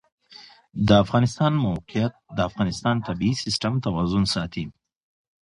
د افغانستان د موقعیت د افغانستان د طبعي سیسټم توازن ساتي.